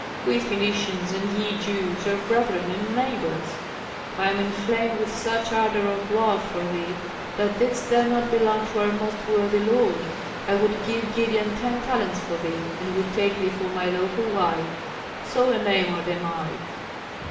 We Phœnicians and ye Jews are brethren and neighbors. I am inflamed with such ardor of love for thee that didst thou not belong to our most worthy lord I would give Gideon ten talents for thee, and would take thee for my lawful wife. So enamored am I."